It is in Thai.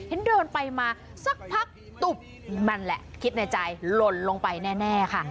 เดินไปมาสักพักตุ๊บนั่นแหละคิดในใจหล่นลงไปแน่ค่ะ